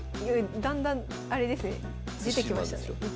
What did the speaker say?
だんだんあれですね出てきましたね。